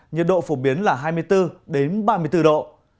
nhiệt độ phổ biến là hai mươi bốn ba mươi bốn độ